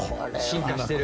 「進化してる」